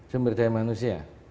sumber daya manusia